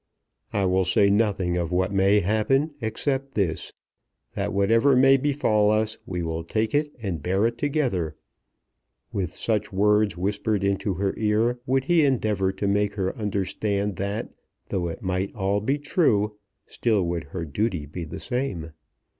"I will say nothing of what may happen except this; that whatever may befall us we will take it and bear it together." With such words whispered into her ear, would he endeavour to make her understand that though it might all be true, still would her duty be the same.